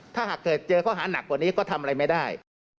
ถ้าหากเกิดเจอข้อหานักกว่านี้ก็ทำอะไรไม่ได้